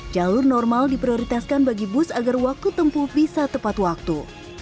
jalur normal diprioritaskan bagi bus agar waktu tempuh bisa tepat waktu